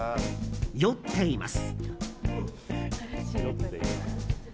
酔っています。